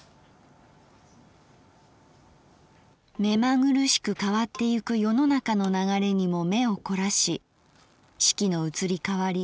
「めまぐるしく変ってゆく世の中の流れにも眼を凝らし四季の移り変り